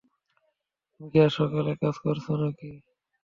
তুমি কি আজ সকালে কাজ করেছ নাকি?